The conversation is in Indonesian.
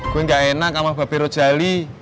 gue gak enak sama bapero jali